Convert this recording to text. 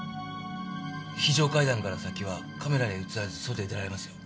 非常階段から先はカメラに映らず外へ出られますよ。